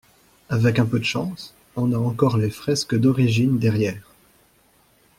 Avec un peu de chance, on a encore les fresques d'origine derrière.